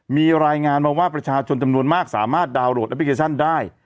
มีรายงานมาว่าประชาชนจำนวนมากสามารถดาวนโหลดแอปพลิเคชันได้